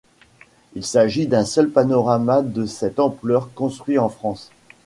Il s'agit du seul panorama de cette ampleur construit en France.